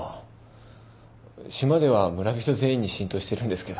島では村人全員に浸透してるんですけど。